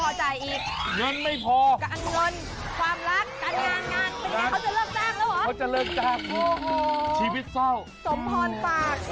โอ้ยคุณมาถึงที่นี่แล้ว